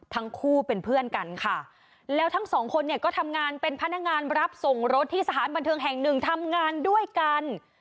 ทั้งคู่เป็นเพื่อนกันค่ะแล้วทั้งสองคนเนี่ยก็ทำงานเป็นพนักงานรับส่งรถที่สถานบันเทิงแห่งหนึ่งทำงานด้วยกัน